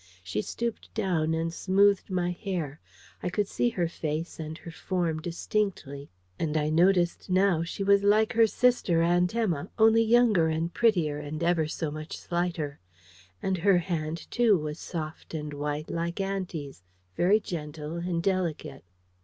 She stooped down and smoothed my hair: I could see her face and her form distinctly. And I noticed now she was like her sister, Aunt Emma, only younger and prettier, and ever so much slighter. And her hand, too, was soft and white like auntie's very gentle and delicate.